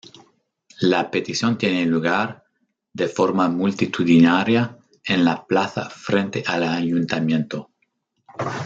La petición tiene lugar, de forma multitudinaria, en la plaza frente al ayuntamiento.